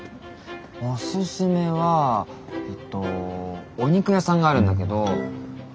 オススメはえっとお肉屋さんがあるんだけど。